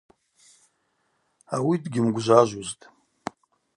Ауи дгьымгвжважвузтӏ.